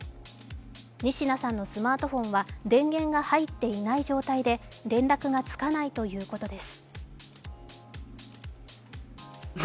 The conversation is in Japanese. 仁科さんのスマートフォンは電源が入っていない状態で、連絡がつかないということです。